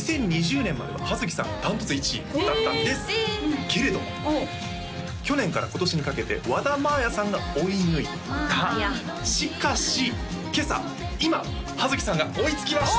２０２０年までは葉月さん断トツ１位だったんですけれども去年から今年にかけて和田まあやさんが追い抜いたしかし今朝今葉月さんが追いつきました！